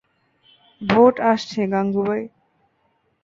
Vote আসছে গাঙুবাই।